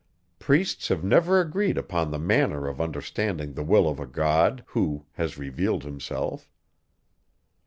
Priests have never agreed upon the manner of understanding the will of a God, who has revealed himself.